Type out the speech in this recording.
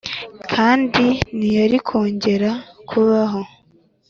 kandi ntiyari kongera kubaho.